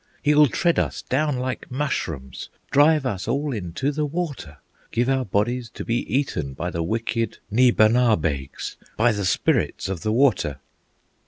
He will tread us down like mushrooms, Drive us all into the water, Give our bodies to be eaten By the wicked Nee ba naw baigs, By the Spirits of the water!"